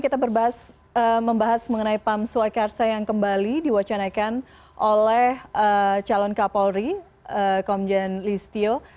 kita membahas mengenai pam swakarsa yang kembali diwacanakan oleh calon kapolri komjen listio